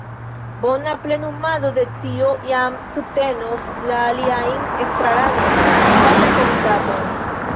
Bona plenumado de tio jam subtenos la aliajn estraranojn kaj la komitaton.